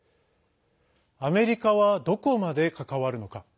アメリカは、どこまで関わるのか。